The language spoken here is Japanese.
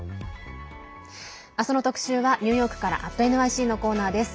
明日の特集はニューヨークから「＠ｎｙｃ」のコーナーです。